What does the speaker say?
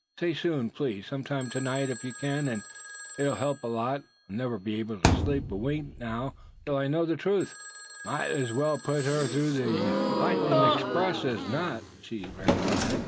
Say soon, please; sometime to night, if you can; and it'll help a lot. I'll never be able to sleep a wink now till I know the truth." "Mout as well put her through on ther lightnin' express as not," she replied.